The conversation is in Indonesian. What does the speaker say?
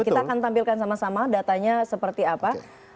kita akan tampilkan sama sama datanya seperti apa